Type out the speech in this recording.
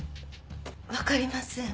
分かりません。